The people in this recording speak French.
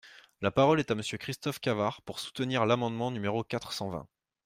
La parole est à Monsieur Christophe Cavard, pour soutenir l’amendement numéro quatre cent vingt.